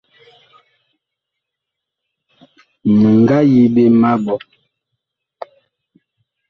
Mi nga yi ɓe ma ɓɔ.